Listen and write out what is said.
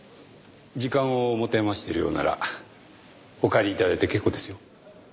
時間を持て余しているようならお帰り頂いて結構ですよ。